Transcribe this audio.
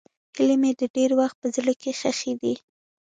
هیلې مې د تېر وخت په زړه کې ښخې دي.